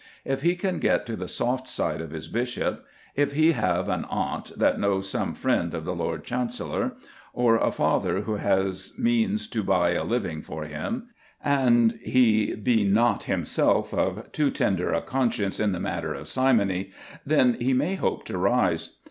If he can get to the soft side of his bishop, if he have an aunt that knows some friend of the Lord Chancellor, or a father who has means to buy a living for him, and he be not himself of too tender a conscience in the matter of simony, then he may hope to rise.